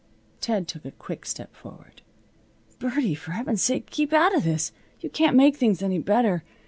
Ted took a quick step forward. "Birdie, for Heaven's sake keep out of this. You can't make things any better.